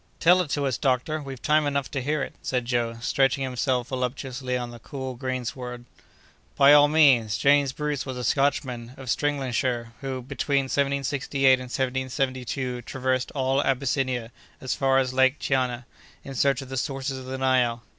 "Tell it to us, doctor; we've time enough to hear it," said Joe, stretching himself voluptuously on the cool greensward. "By all means.—James Bruce was a Scotchman, of Stirlingshire, who, between 1768 and 1772, traversed all Abyssinia, as far as Lake Tyana, in search of the sources of the Nile.